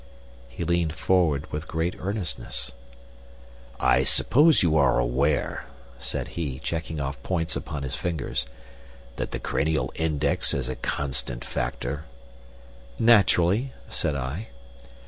He leaned forward with great earnestness. "I suppose you are aware," said he, checking off points upon his fingers, "that the cranial index is a constant factor?" "Naturally," said I.